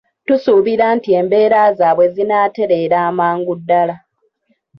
Tusuubira nti embeera zaabwe zinaaterera amangu ddala.